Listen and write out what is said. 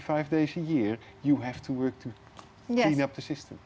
anda harus bekerja untuk bersihkan sistem